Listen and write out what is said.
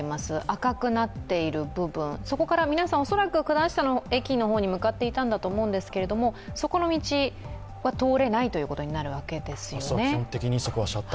赤くなっている部分、そこから皆さん、おそらく九段下の駅の方に向かっていたと思うんですけどそこの道が通れないというわけですね。